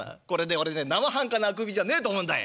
俺ねなまはんかなあくびじゃねえと思うんだい。